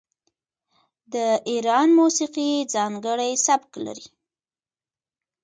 د ایران موسیقي ځانګړی سبک لري.